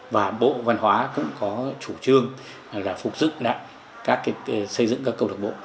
và bộ văn hóa cũng có chủ trương là phục dựng lại các xây dựng các câu lạc bộ